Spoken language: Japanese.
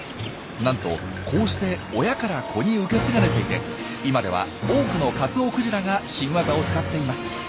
なんとこうして親から子に受け継がれていて今では多くのカツオクジラが新ワザを使っています。